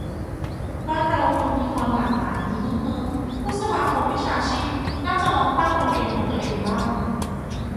บ้านเราควรมีความหลากหลายงี้มั่งเนอะ พวกสมาคมวิชาชีพน่าจะลองตั้งโรงเรียนของตัวเองบ้าง